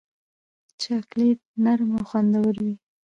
چاکلېټ نرم او خوندور وي.